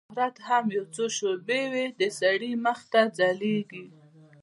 شهرت هم یو څو شېبې وي د سړي مخ ته ځلیږي